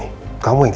itu dengan vaih